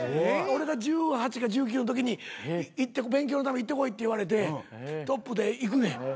俺が１８か１９のときに勉強のために行ってこいって言われてトップで行くねん。